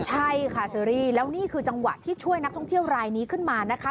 ใช่ค่ะเชอรี่แล้วนี่คือจังหวะที่ช่วยนักท่องเที่ยวรายนี้ขึ้นมานะคะ